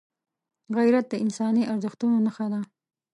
غیرت د انساني ارزښتونو نښه ده